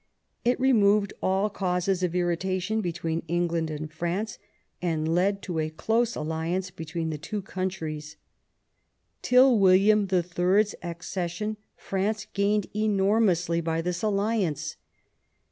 It removed all causes of irritation between England and France, and led to a close alliance between the two countries. Till William IIL's accession France gained enormously by this alliance.